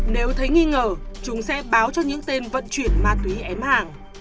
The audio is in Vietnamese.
nếu thấy nghi ngờ chúng sẽ báo cho những tên vận chuyển ma túy ém hàng